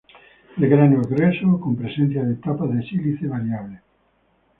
El grano es grueso con presencia de tasas de sílice variables.